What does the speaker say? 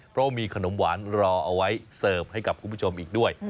เพราะมีขนมหวานรอเอาไว้เสิร์ฟให้กับคุณผู้ชมอีกด้วย